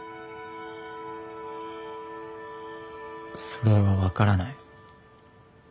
それは分からない。